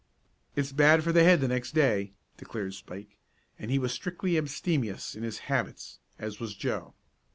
"It's bad for the head the next day," declared Spike, and he was strictly abstemious in his habits, as was Joe.